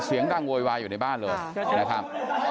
เสียงดังโวยวายอยู่ในบ้านเลยนะครับ